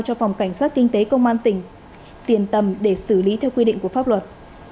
cho phòng cảnh sát kinh tế công an tỉnh tiền tầm để xử lý theo quy định của pháp luật